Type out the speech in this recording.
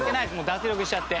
脱力しちゃって。